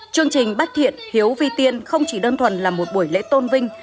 chương trình bách thiện hiếu vi tiên không chỉ đơn thuần là một buổi lễ tôn vinh